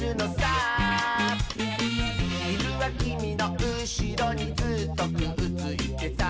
「ひるはきみのうしろにずっとくっついてさ」